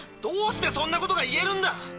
どうしてそんなことが言えるんだ。